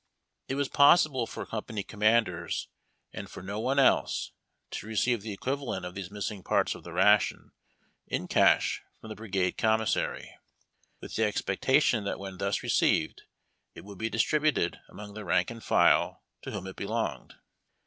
It was possible for company commanders and for no one else to receive the equivalent of these missing parts of the ration iii cash from the brigade commissary, with the expectation that when thus received it would be distributed among the rank and file to whom it belonged.